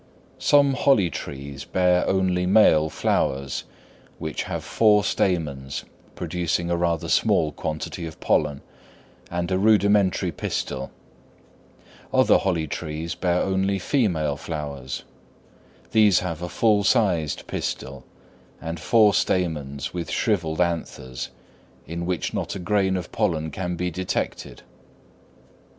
Some holly trees bear only male flowers, which have four stamens producing a rather small quantity of pollen, and a rudimentary pistil; other holly trees bear only female flowers; these have a full sized pistil, and four stamens with shrivelled anthers, in which not a grain of pollen can be detected.